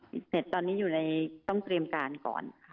ฟิตเนสตอนนี้อยู่ในต้องเตรียมการก่อน